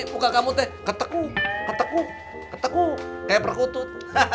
keteku keteku kayak perkutut